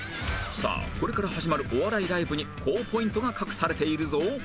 さあこれから始まるお笑いライブに高ポイントが隠されているぞ